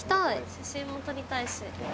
写真も撮りたいし。